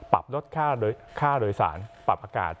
ปรับลดค่าโดยสารปรับอากาศ